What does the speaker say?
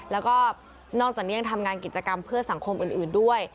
แล้วก็นอกจากนี้ยังทำงานกิจกรรมเพื่อสังคมอื่นด้วย